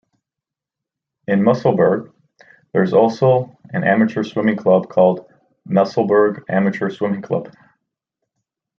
In Musselburgh there is also an amateur swimming club called Musselburgh Amateur Swimming Club.